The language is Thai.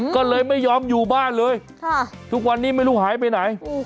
ก็เลยไม่ยอมอยู่บ้านเลยทุกวันนี้ไม่รู้หายไปไหน